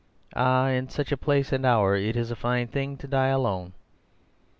Ah, in such a place and hour it is a fine thing to die alone!"